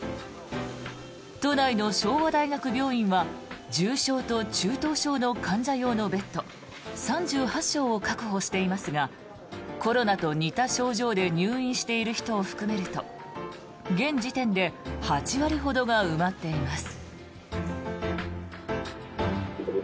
都内の昭和大学病院は重症と中等症の患者用のベッド３８床を確保していますがコロナと似た症状で入院している人を含めると現時点で８割ほどが埋まっています。